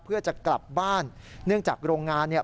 เพื่อจะกลับบ้านเนื่องจากโรงงานเนี่ย